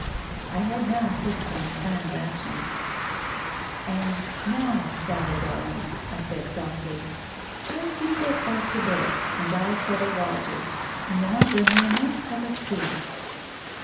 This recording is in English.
I had now fixed on a plan of action. "And now, Sally darling," I said softly, "just you get back to be3, and I'll settle Roger, and then I'll bring you a nice cup of tea."